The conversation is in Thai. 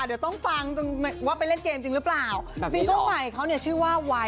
อะเดี๋ยวต้องฟังว่าไปเล่นเกมจริงหรือเปล่า